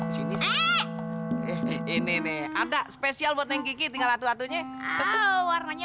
sini sini nih ada spesial botenki tinggal tuatunya